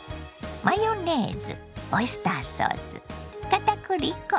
マヨネーズオイスターソースかたくり粉